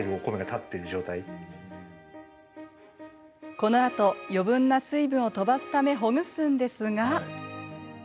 このあと余分な水分を飛ばすためほぐすんですが。